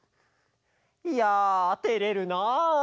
いやてれるな。